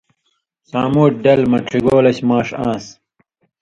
سامُوٹھیۡ ڈلہۡ مہ ڇِگولش ماݜہ آن٘س،